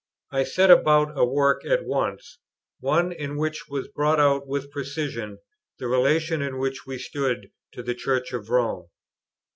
I set about a work at once; one in which was brought out with precision the relation in which we stood to the Church of Rome.